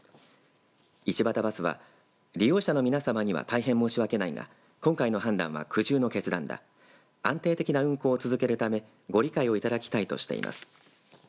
一畑バスは利用者の皆さまには大変申し訳ないが今回の判断は苦渋の決断だ安定的な運行を続けるためご理解いただきたいとしています。